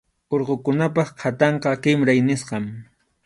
Urqukunap qhatanqa kinray nisqam.